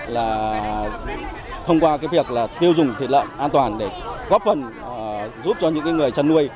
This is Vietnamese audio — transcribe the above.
là thông qua việc tiêu dùng thịt lợn an toàn để góp phần giúp cho những người chăn nuôi